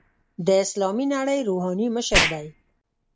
د اسلامي نړۍ روحاني مشر دی.